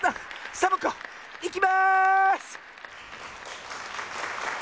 サボ子いきます！